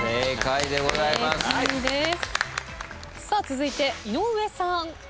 続いて井上さん。